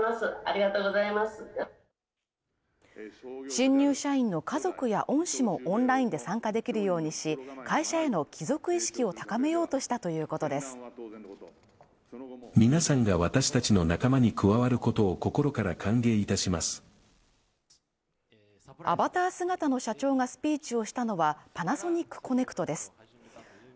新入社員の家族や恩師もオンラインで参加できるようにし、会社への帰属意識を高めようとしたということは当然のこと、アバター姿の社長がスピーチをしたのは、パナソニックコネクトです。